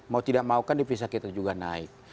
mau tidak mau kan devisa kita juga naik